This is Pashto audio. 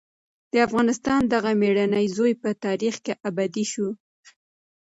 د افغانستان دغه مېړنی زوی په تاریخ کې ابدي شو.